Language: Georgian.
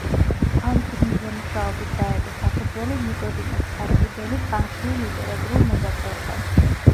ამ წიგნზე მუშაობით დაედო საფუძველი ნიკოდიმოს მთაწმიდელის ხანგრძლივ ლიტერატურულ მოღვაწეობას.